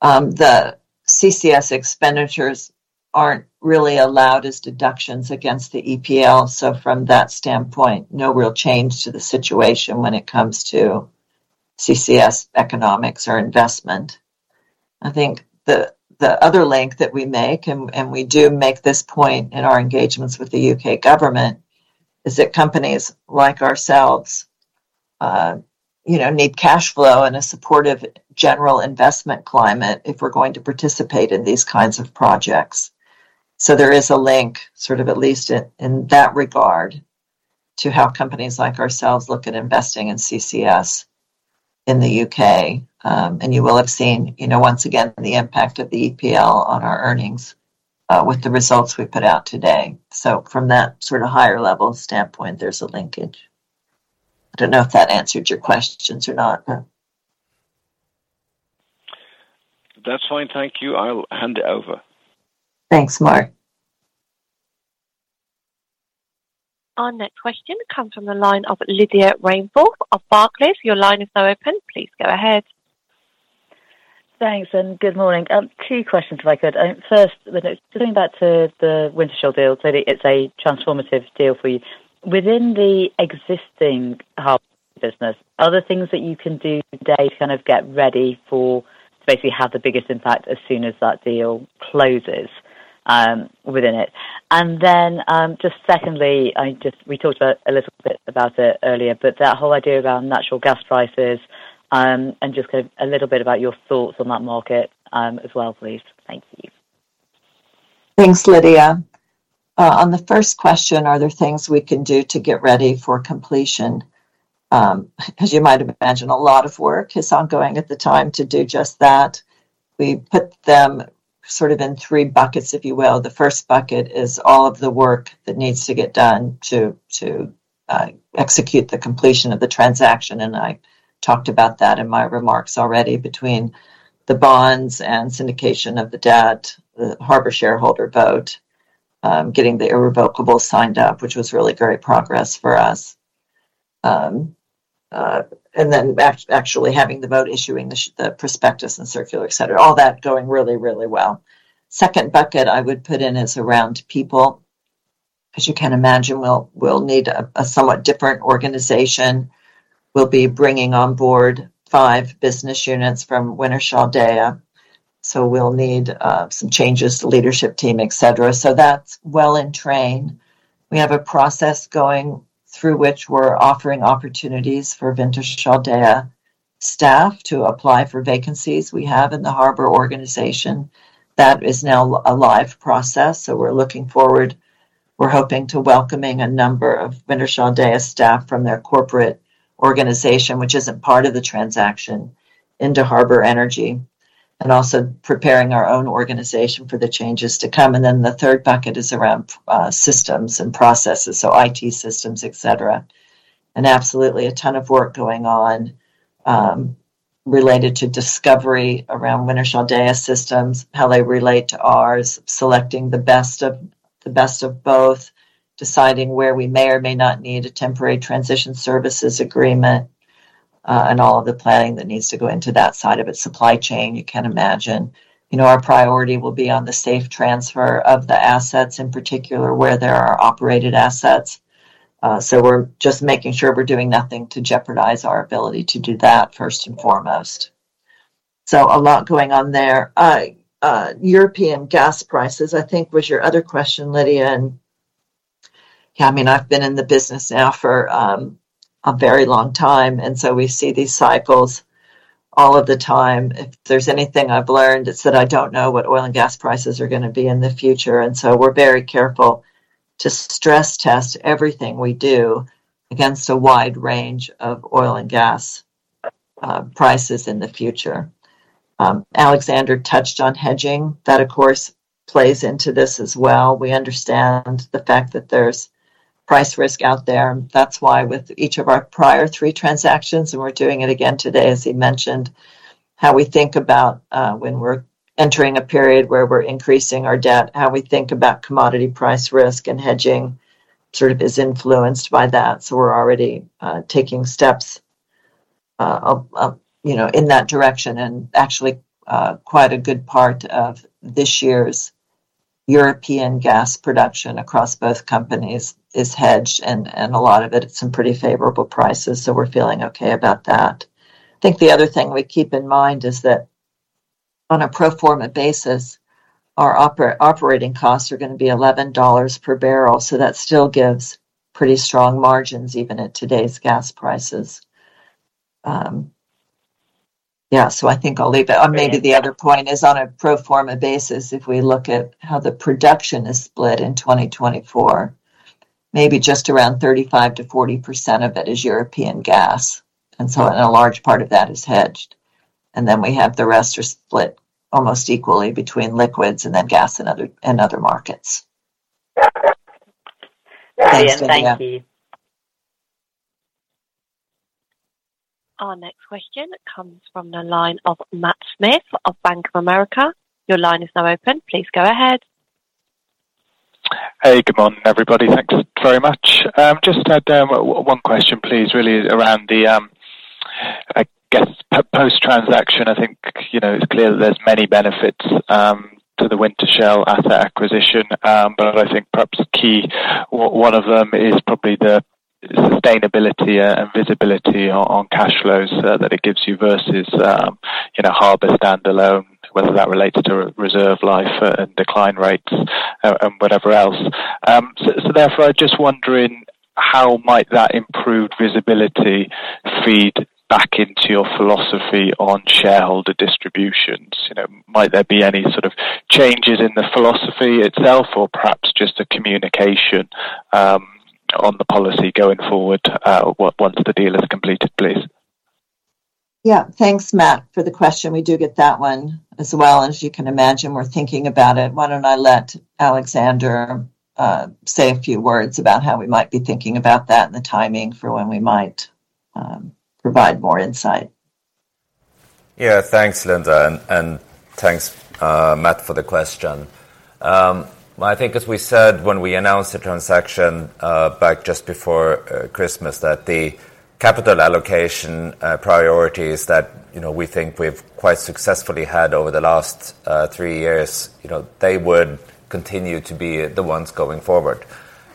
The CCS expenditures aren't really allowed as deductions against the EPL, so from that standpoint, no real change to the situation when it comes to CCS economics or investment. I think the other link that we make, and we do make this point in our engagements with the U.K. government, is that companies like ourselves need cash flow and a supportive general investment climate if we're going to participate in these kinds of projects. So there is a link, sort of at least in that regard, to how companies like ourselves look at investing in CCS in the U.K. And you will have seen, once again, the impact of the EPL on our earnings with the results we put out today. So from that sort of higher-level standpoint, there's a linkage. I don't know if that answered your questions or not. That's fine. Thank you. I'll hand it over. Thanks, Mark. Our next question comes from the line of Lydia Rainforth of Barclays. Your line is now open. Please go ahead. Thanks, and good morning. Two questions, if I could. First, just going back to the Wintershall Dea deal, so it's a transformative deal for you. Within the existing Harbour business, are there things that you can do today to kind of get ready to basically have the biggest impact as soon as that deal closes within it? And then just secondly, we talked a little bit about it earlier, but that whole idea around natural gas prices and just kind of a little bit about your thoughts on that market as well, please. Thank you. Thanks, Lydia. On the first question, are there things we can do to get ready for completion? As you might imagine, a lot of work is ongoing at the time to do just that. We put them sort of in three buckets, if you will. The first bucket is all of the work that needs to get done to execute the completion of the transaction, and I talked about that in my remarks already between the bonds and syndication of the debt, the Harbour shareholder vote, getting the irrevocable signed up, which was really great progress for us. And then actually having the vote issuing the prospectus and circular, etc., all that going really, really well. Second bucket I would put in is around people. As you can imagine, we'll need a somewhat different organization. We'll be bringing on board five business units from Wintershall Dea, so we'll need some changes to leadership team, etc. So that's well in train. We have a process going through which we're offering opportunities for Wintershall Dea staff to apply for vacancies we have in the Harbour organization. That is now a live process, so we're looking forward. We're hoping to welcome in a number of Wintershall Dea staff from their corporate organization, which isn't part of the transaction, into Harbour Energy and also preparing our own organization for the changes to come. And then the third bucket is around systems and processes, so IT systems, etc. And absolutely a ton of work going on related to discovery around Wintershall Dea systems, how they relate to ours, selecting the best of both, deciding where we may or may not need a temporary transition services agreement, and all of the planning that needs to go into that side of its supply chain, you can imagine. Our priority will be on the safe transfer of the assets, in particular where there are operated assets. So we're just making sure we're doing nothing to jeopardize our ability to do that first and foremost. So a lot going on there. European gas prices, I think, was your other question, Lydia. And yeah, I mean, I've been in the business now for a very long time, and so we see these cycles all of the time. If there's anything I've learned, it's that I don't know what oil and gas prices are going to be in the future, and so we're very careful to stress-test everything we do against a wide range of oil and gas prices in the future. Alexander touched on hedging. That, of course, plays into this as well. We understand the fact that there's price risk out there, and that's why with each of our prior 3 transactions, and we're doing it again today, as he mentioned, how we think about when we're entering a period where we're increasing our debt, how we think about commodity price risk and hedging sort of is influenced by that. So we're already taking steps in that direction, and actually quite a good part of this year's European gas production across both companies is hedged, and a lot of it at some pretty favorable prices, so we're feeling okay about that. I think the other thing we keep in mind is that on a pro forma basis, our operating costs are going to be $11 per barrel, so that still gives pretty strong margins even at today's gas prices. Yeah, so I think I'll leave it. Maybe the other point is on a pro forma basis, if we look at how the production is split in 2024, maybe just around 35%-40% of it is European gas, and so a large part of that is hedged. And then we have the rest are split almost equally between liquids and then gas and other markets. Thanks, Lydia. And thank you. Our next question comes from the line of Matt Smith of Bank of America. Your line is now open. Please go ahead. Hey, good morning, everybody. Thanks very much. Just one question, please, really, around the, I guess, post-transaction. I think it's clear that there's many benefits to the Wintershall asset acquisition, but I think perhaps key one of them is probably the sustainability and visibility on cash flows that it gives you versus Harbour standalone, whether that relates to reserve life and decline rates and whatever else. So therefore, I'm just wondering how might that improved visibility feed back into your philosophy on shareholder distributions? Might there be any sort of changes in the philosophy itself or perhaps just a communication on the policy going forward once the deal is completed, please? Yeah. Thanks, Matt, for the question. We do get that one as well. As you can imagine, we're thinking about it. Why don't I let Alexander say a few words about how we might be thinking about that and the timing for when we might provide more insight? Yeah. Thanks, Linda, and thanks, Matt, for the question. I think, as we said when we announced the transaction back just before Christmas, that the capital allocation priorities that we think we've quite successfully had over the last three years, they would continue to be the ones going forward.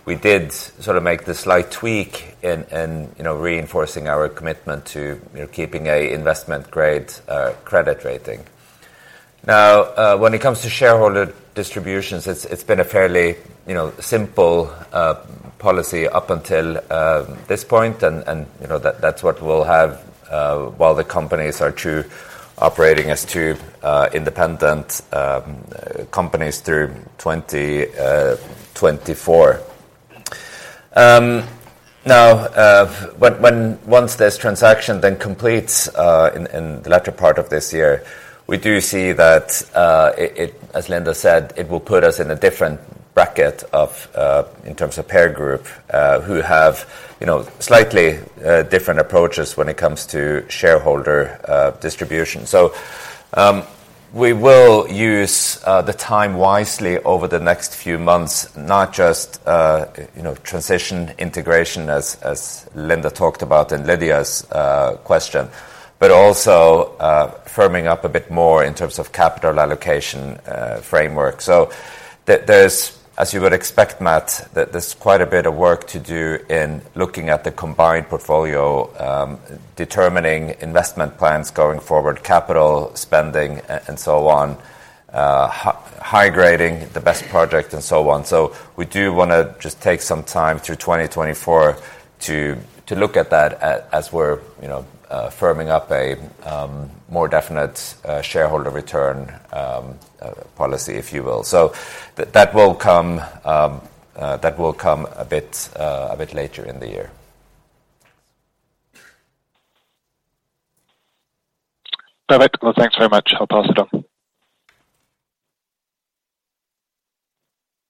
We did sort of make the slight tweak in reinforcing our commitment to keeping an investment-grade credit rating. Now, when it comes to shareholder distributions, it's been a fairly simple policy up until this point, and that's what we'll have while the companies are operating as two independent companies through 2024. Now, once this transaction then completes in the latter part of this year, we do see that, as Linda said, it will put us in a different bracket in terms of peer group who have slightly different approaches when it comes to shareholder distribution. So we will use the time wisely over the next few months, not just transition integration, as Linda talked about in Lydia's question, but also firming up a bit more in terms of capital allocation framework. So there's, as you would expect, Matt, there's quite a bit of work to do in looking at the combined portfolio, determining investment plans going forward, capital spending, and so on, high-grading the best project, and so on. So we do want to just take some time through 2024 to look at that as we're firming up a more definite shareholder return policy, if you will. So that will come a bit later in the year. Perfect. Well, thanks very much. I'll pass it on.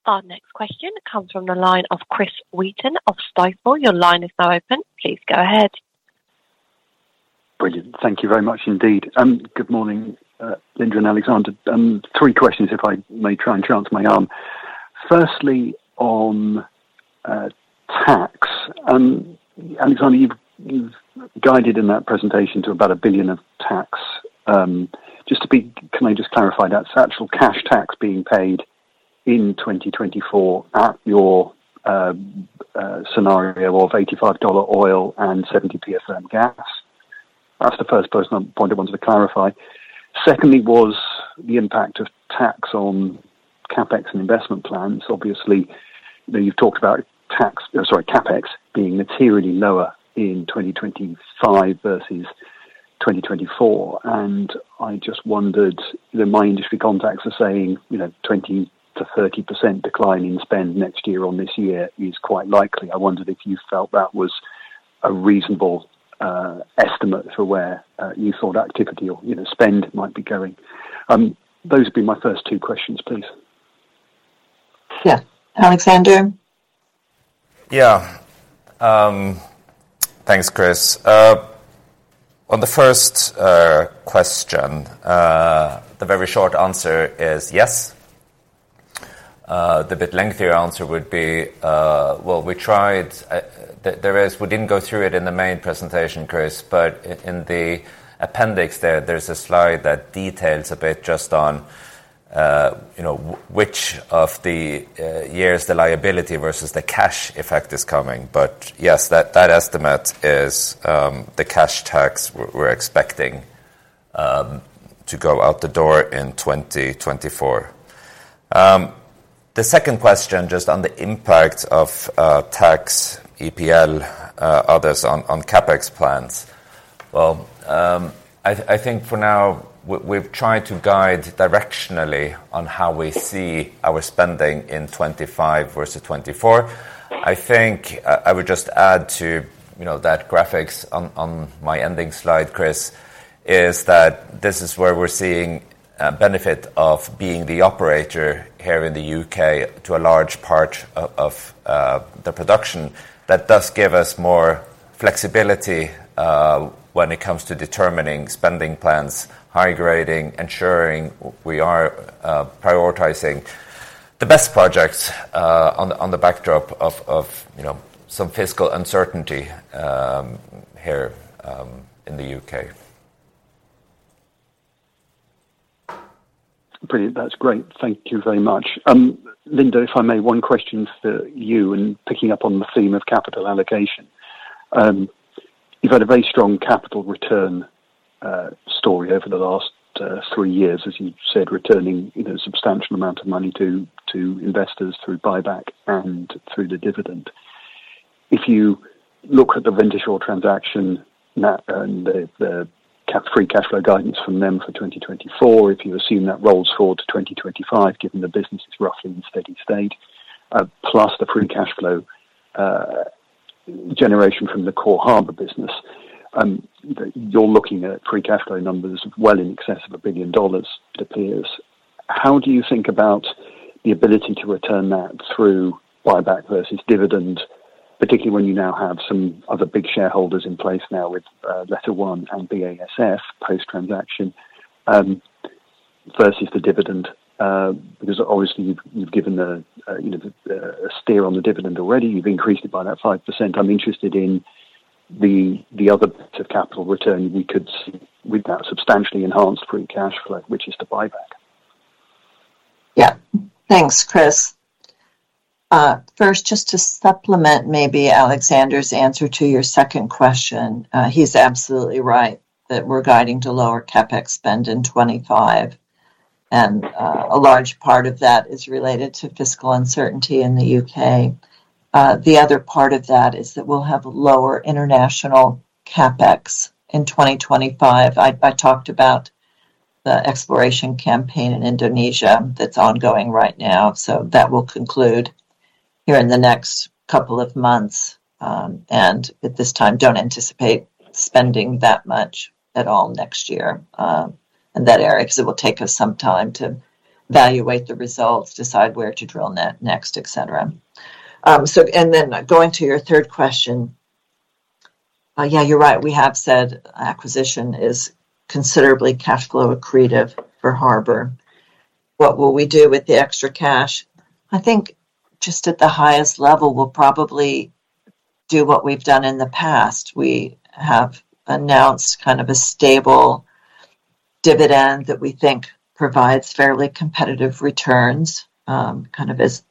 Our next question comes from the line of Chris Wheaton of Stifel. Your line is now open. Please go ahead. Brilliant. Thank you very much indeed. Good morning, Linda and Alexander. Three questions, if I may try and chance my arm. Firstly, on tax. Alexander, you've guided in that presentation to about $1 billion of tax. Can I just clarify that? It's actual cash tax being paid in 2024 at your scenario of $85 oil and 70p/therm gas. That's the first point I wanted to clarify. Secondly was the impact of tax on CapEx and investment plans. Obviously, you've talked about tax, sorry, CapEx, being materially lower in 2025 versus 2024. And I just wondered, my industry contacts are saying 20%-30% decline in spend next year on this year is quite likely. I wondered if you felt that was a reasonable estimate for where you thought activity or spend might be going. Those would be my first two questions, please. Sure. Alexander? Yeah. Thanks, Chris. On the first question, the very short answer is yes. The bit lengthier answer would be, well, we tried. We didn't go through it in the main presentation, Chris, but in the appendix there, there's a slide that details a bit just on which of the years the liability versus the cash effect is coming. But yes, that estimate is the cash tax we're expecting to go out the door in 2024. The second question, just on the impact of tax, EPL, others on CapEx plans. Well, I think for now, we've tried to guide directionally on how we see our spending in 2025 versus 2024. I think I would just add to that graphics on my ending slide, Chris, is that this is where we're seeing a benefit of being the operator here in the UK to a large part of the production. That does give us more flexibility when it comes to determining spending plans, high-grading, ensuring we are prioritizing the best projects on the backdrop of some fiscal uncertainty here in the UK. That's great. Thank you very much. Linda, if I may, one question for you and picking up on the theme of capital allocation. You've had a very strong capital return story over the last three years, as you said, returning a substantial amount of money to investors through buyback and through the dividend. If you look at the Wintershall Dea transaction and the free cash flow guidance from them for 2024, if you assume that rolls forward to 2025, given the business is roughly in steady state, plus the free cash flow generation from the core Harbour business, you're looking at free cash flow numbers of well in excess of $1 billion, it appears. How do you think about the ability to return that through buyback versus dividend, particularly when you now have some other big shareholders in place now with LetterOne and BASF post-transaction versus the dividend? Because obviously, you've given a steer on the dividend already. You've increased it by that 5%. I'm interested in the other bit of capital return we could see with that substantially enhanced free cash flow, which is the buyback. Yeah. Thanks, Chris. First, just to supplement maybe Alexander's answer to your second question, he's absolutely right that we're guiding to lower CapEx spend in 2025, and a large part of that is related to fiscal uncertainty in the UK. The other part of that is that we'll have lower international CapEx in 2025. I talked about the exploration campaign in Indonesia that's ongoing right now, so that will conclude here in the next couple of months. And at this time, don't anticipate spending that much at all next year in that area because it will take us some time to evaluate the results, decide where to drill next, etc. And then going to your third question, yeah, you're right. We have said acquisition is considerably cash flow accretive for Harbour. What will we do with the extra cash? I think just at the highest level, we'll probably do what we've done in the past. We have announced kind of a stable dividend that we think provides fairly competitive returns kind of as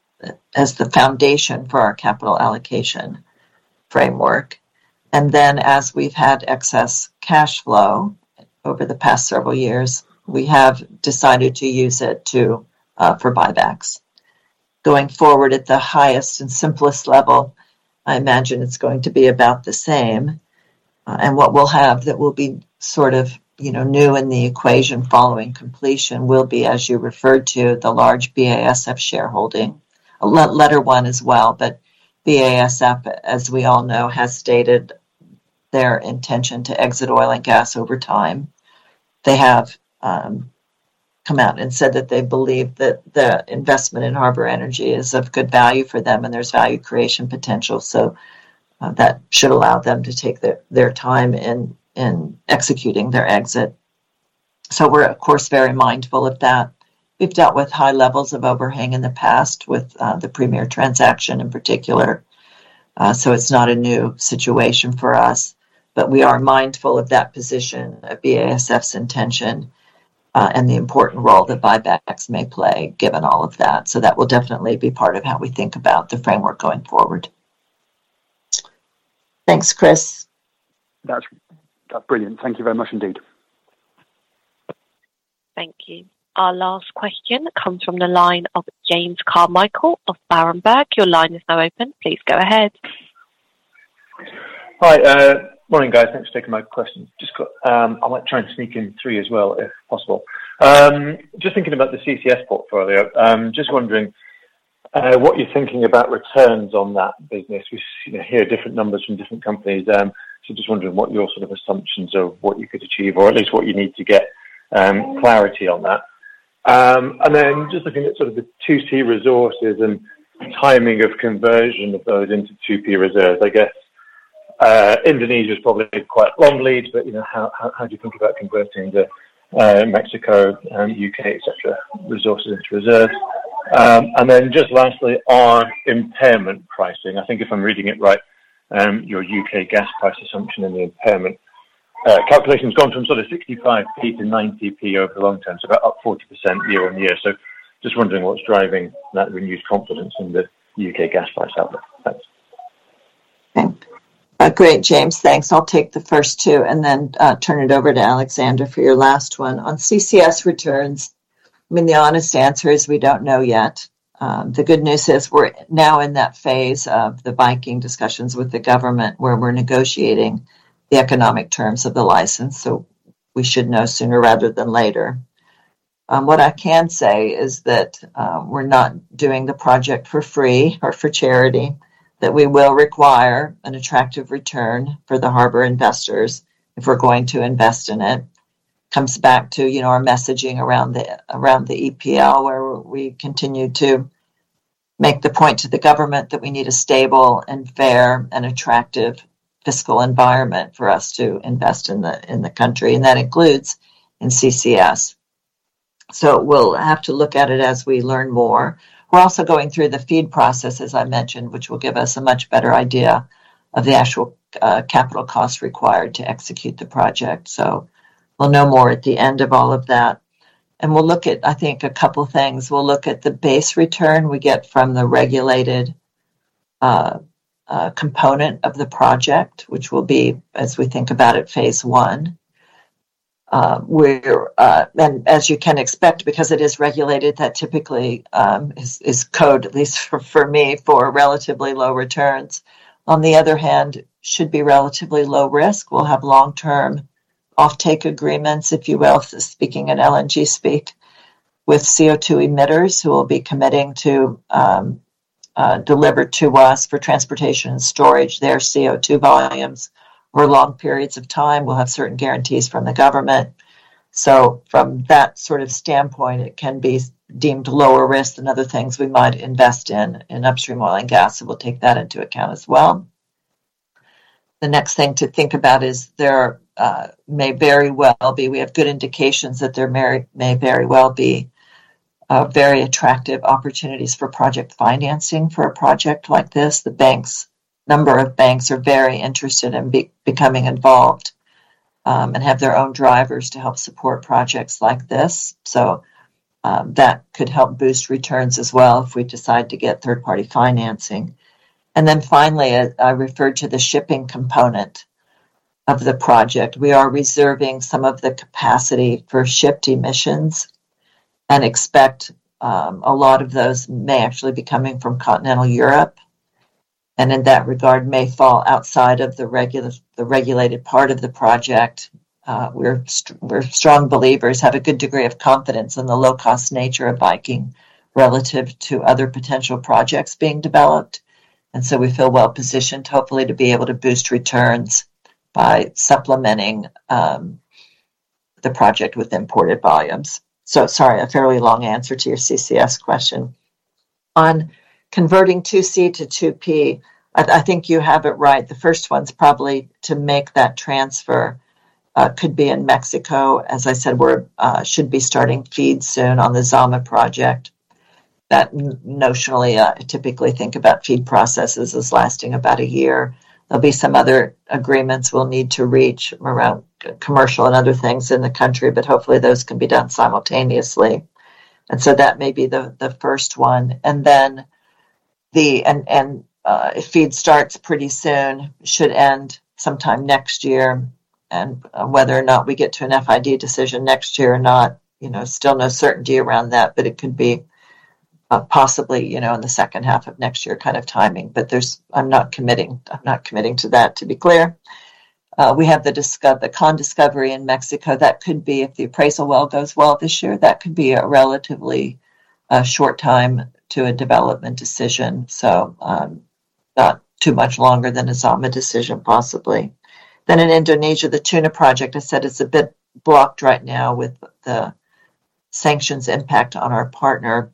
the foundation for our capital allocation framework. And then as we've had excess cash flow over the past several years, we have decided to use it for buybacks. Going forward at the highest and simplest level, I imagine it's going to be about the same. What we'll have that will be sort of new in the equation following completion will be, as you referred to, the large BASF shareholding. LetterOne as well, but BASF, as we all know, has stated their intention to exit oil and gas over time. They have come out and said that they believe that the investment in Harbour Energy is of good value for them, and there's value creation potential, so that should allow them to take their time in executing their exit. We're, of course, very mindful of that. We've dealt with high levels of overhang in the past with the Premier transaction in particular, so it's not a new situation for us. But we are mindful of that position of BASF's intention and the important role that buybacks may play given all of that. So that will definitely be part of how we think about the framework going forward. Thanks, Chris. That's brilliant. Thank you very much indeed. Thank you. Our last question comes from the line of James Carmichael of Berenberg. Your line is now open. Please go ahead. Hi. Morning, guys. Thanks for taking my questions. I might try and sneak in three as well if possible. Just thinking about the CCS portfolio, just wondering what you're thinking about returns on that business. We hear different numbers from different companies, so just wondering what your sort of assumptions are of what you could achieve or at least what you need to get clarity on that. And then just looking at sort of the 2C resources and timing of conversion of those into 2P reserves. I guess Indonesia's probably quite a long lead, but how do you think about converting the Mexico, UK, etc., resources into reserves? And then just lastly, our impairment pricing. I think if I'm reading it right, your UK gas price assumption and the impairment calculation's gone from sort of 0.65 to 0.90 over the long term, so about up 40% year-on-year. So just wondering what's driving that renewed confidence in the UK gas price outlook. Thanks. Great, James. Thanks. I'll take the first two and then turn it over to Alexander for your last one. On CCS returns, I mean, the honest answer is we don't know yet. The good news is we're now in that phase of the Viking discussions with the government where we're negotiating the economic terms of the license, so we should know sooner rather than later. What I can say is that we're not doing the project for free or for charity, that we will require an attractive return for the Harbour investors if we're going to invest in it. Comes back to our messaging around the EPL where we continue to make the point to the government that we need a stable and fair and attractive fiscal environment for us to invest in the country, and that includes in CCS. So we'll have to look at it as we learn more. We're also going through the FEED process, as I mentioned, which will give us a much better idea of the actual capital costs required to execute the project. So we'll know more at the end of all of that. And we'll look at, I think, a couple of things. We'll look at the base return we get from the regulated component of the project, which will be, as we think about it, phase one. And as you can expect, because it is regulated, that typically is code, at least for me, for relatively low returns. On the other hand, should be relatively low risk. We'll have long-term offtake agreements, if you will, speaking in LNG speak, with CO2 emitters who will be committing to deliver to us for transportation and storage their CO2 volumes for long periods of time. We'll have certain guarantees from the government. So from that sort of standpoint, it can be deemed lower risk than other things we might invest in, in upstream oil and gas, so we'll take that into account as well. The next thing to think about is there may very well be. We have good indications that there may very well be very attractive opportunities for project financing for a project like this. The number of banks are very interested in becoming involved and have their own drivers to help support projects like this. So that could help boost returns as well if we decide to get third-party financing. Then finally, I referred to the shipping component of the project. We are reserving some of the capacity for shipped emissions and expect a lot of those may actually be coming from continental Europe, and in that regard may fall outside of the regulated part of the project. We're strong believers, have a good degree of confidence in the low-cost nature of Viking relative to other potential projects being developed. And so we feel well positioned, hopefully, to be able to boost returns by supplementing the project with imported volumes. So sorry, a fairly long answer to your CCS question. On converting 2C to 2P, I think you have it right. The first one's probably to make that transfer could be in Mexico. As I said, we should be starting FEED soon on the Zama project. That notionally, I typically think about FEED processes as lasting about a year. There'll be some other agreements we'll need to reach around commercial and other things in the country, but hopefully, those can be done simultaneously. And so that may be the first one. And then if FEED starts pretty soon, should end sometime next year. Whether or not we get to an FID decision next year or not, still no certainty around that, but it could be possibly in the second half of next year kind of timing. But I'm not committing to that, to be clear. We have the Kan discovery in Mexico. That could be, if the appraisal well goes well this year, that could be a relatively short time to a development decision, so not too much longer than a Zama decision possibly. Then in Indonesia, the Tuna project, I said it's a bit blocked right now with the sanctions impact on our partner.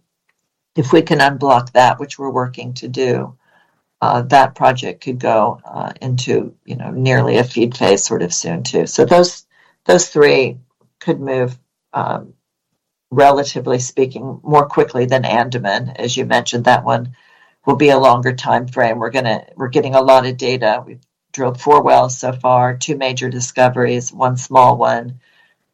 If we can unblock that, which we're working to do, that project could go into nearly a FEED phase sort of soon too. So those three could move, relatively speaking, more quickly than Andaman. As you mentioned, that one will be a longer timeframe. We're getting a lot of data. We've drilled four wells so far, two major discoveries, one small one,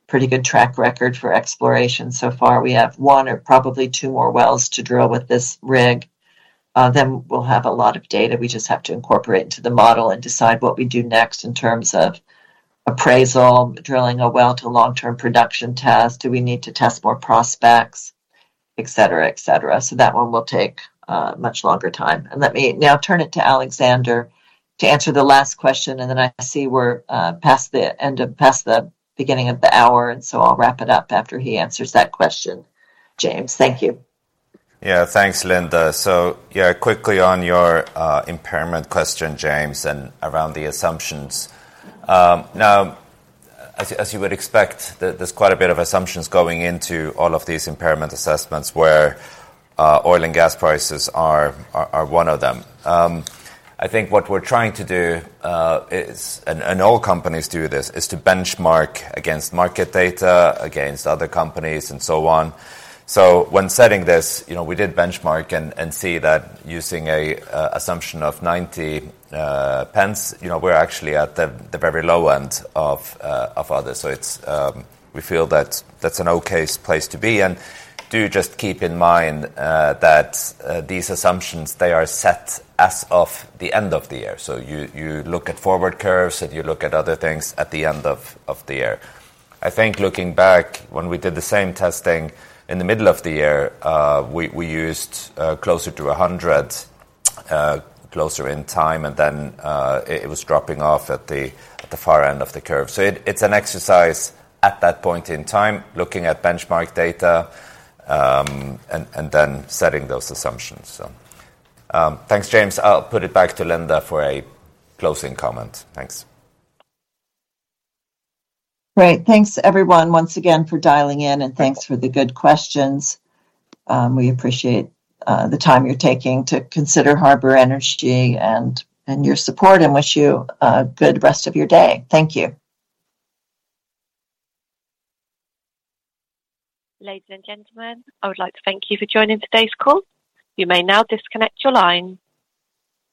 pretty good track record for exploration so far. We have one or probably two more wells to drill with this rig. Then we'll have a lot of data. We just have to incorporate it into the model and decide what we do next in terms of appraisal, drilling a well to long-term production test. Do we need to test more prospects, etc., etc.? So that one will take much longer time. And let me now turn it to Alexander to answer the last question, and then I see we're past the end of past the beginning of the hour, and so I'll wrap it up after he answers that question, James. Thank you. Yeah, thanks, Linda. So yeah, quickly on your impairment question, James, and around the assumptions. Now, as you would expect, there's quite a bit of assumptions going into all of these impairment assessments where oil and gas prices are one of them. I think what we're trying to do is, and all companies do this, is to benchmark against market data, against other companies, and so on. So when setting this, we did benchmark and see that using an assumption of 0.90, we're actually at the very low end of others. So we feel that that's an okay place to be. And do just keep in mind that these assumptions, they are set as of the end of the year. So you look at forward curves and you look at other things at the end of the year. I think looking back, when we did the same testing in the middle of the year, we used closer to 100, closer in time, and then it was dropping off at the far end of the curve. So it's an exercise at that point in time, looking at benchmark data and then setting those assumptions. So thanks, James. I'll put it back to Linda for a closing comment. Thanks. Great. Thanks, everyone, once again, for dialing in, and thanks for the good questions. We appreciate the time you're taking to consider Harbour Energy and your support and wish you a good rest of your day. Thank you. Ladies and gentlemen, I would like to thank you for joining today's call. You may now disconnect your line.